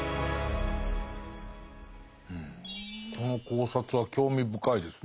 この考察は興味深いですね。